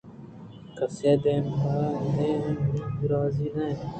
کسےءِ دیم پہ دیمی ءَ راضی نہ اتے